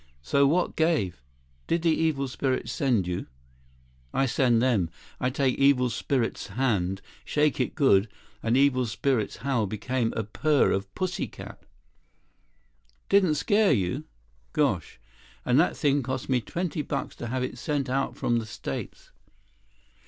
"So what gave? Did the evil spirits send you?" "I send them. I take evil spirit's hand, shake it good, and evil spirit's howl become purr of pussycat." "Didn't scare you? Gosh, and that thing cost me twenty bucks to have it sent out from the States."